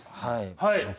はい。